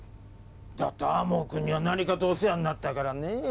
だって天羽くんには何かとお世話になったからねえ。